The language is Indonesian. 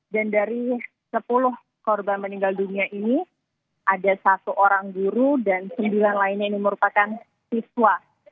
dan dari sepuluh korban meninggal dunia ini ada satu orang guru dan sembilan lainnya ini merupakan siswa